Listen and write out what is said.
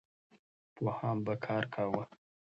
پوهان به کار کاوه.